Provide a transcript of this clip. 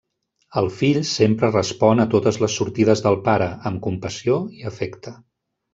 El fill sempre respon a totes les sortides del pare amb compassió i afecte.